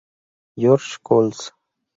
Georges Colts.